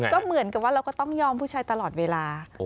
ก็เหมือนกับว่าเราก็ต้องยอมผู้ชายตลอดเวลา